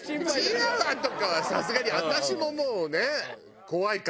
チワワとかはさすがに私ももうね怖いから。